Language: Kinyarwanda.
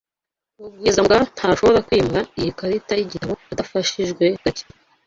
Rugwizangoga ntashobora kwimura iyi karita yigitabo adafashijwe gake.